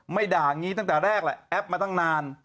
ด่างี้ตั้งแต่แรกแหละแอปมาตั้งนาน